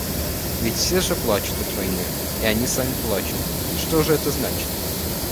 Ведь все же плачут от войны, и они сами плачут, — что же это значит?